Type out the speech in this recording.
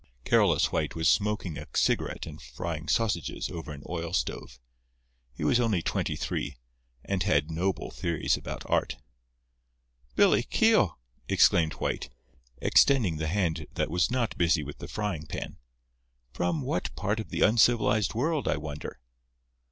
Carolus White was smoking a cigarette and frying sausages over an oil stove. He was only twenty three, and had noble theories about art. "Billy Keogh!" exclaimed White, extending the hand that was not busy with the frying pan. "From what part of the uncivilized world, I wonder!"